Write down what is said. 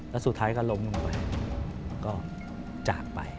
แล้วสุดท้ายก็ล้มลงไปก็จากไป